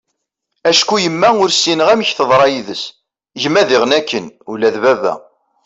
acku yemma ur ssineγ amek teḍṛa yid-s, gma diγen akken, ula d baba